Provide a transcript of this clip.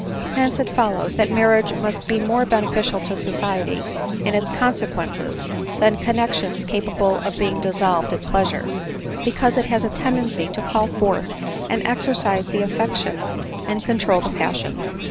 " Hence it follows that marriage must be more benefi cial to society in its consequences, than connexions capa ble of being dissolved at pleasure; because it has a tendency to call forth and exercise the affections and control the passions.